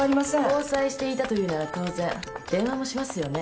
交際していたというなら当然電話もしますよね？